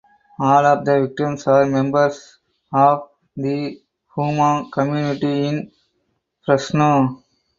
All of the victims are members of the Hmong community in Fresno.